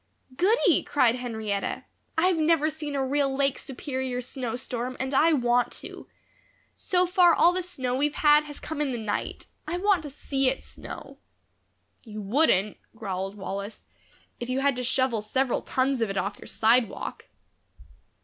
"Goody!" cried Henrietta, "I've never seen a real Lake Superior snowstorm and I want to. So far all the snow we've had has come in the night. I want to see it snow." "You wouldn't," growled Wallace, "if you had to shovel several tons of it off your sidewalk."